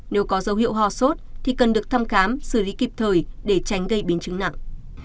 nếu có dấu hiệu ho sốt thì cần được thăm khám xử lý kịp thời để tránh gây biến chứng nặng